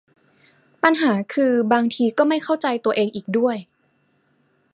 ปัญหาคือบางทีก็ไม่เข้าใจตัวเองอีกด้วย